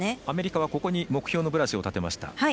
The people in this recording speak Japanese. アメリカは目標のブラシを立てました。